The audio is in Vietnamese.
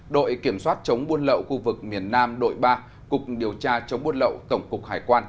đội kiểm soát chống buôn lậu khu vực miền nam đội ba cục điều tra chống buôn lậu tổng cục hải quan